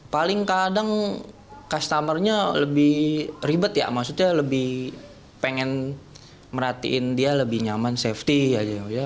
paling kadang customer nya lebih ribet ya maksudnya lebih pengen merhatiin dia lebih nyaman safety aja